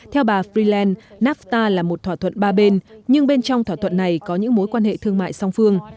theo bà freeland nafta là một thỏa thuận ba bên nhưng bên trong thỏa thuận này có những mối quan hệ thương mại song phương